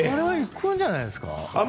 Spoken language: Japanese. いくんじゃないですか？